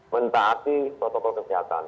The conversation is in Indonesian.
mentaati protokol kesehatan